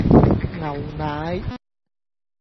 牛奶